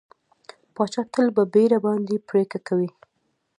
پاچا تل په بېړه باندې پرېکړه کوي کوي.